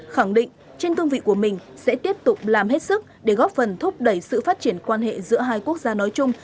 khẳng định trên cương vị của mình sẽ tiếp tục làm hết sức để góp phần thúc đẩy sự phát triển quan hệ giữa hai quốc gia nói chung